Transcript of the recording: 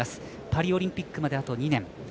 パリオリンピックまであと２年。